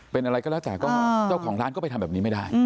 เป็นอะไรก็แล้วแต่ก็เจ้าของร้านก็ไปทำแบบนี้ไม่ได้